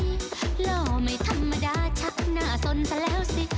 หล่อไม่ธรรมดาชักหน้าสนซะแล้วสิ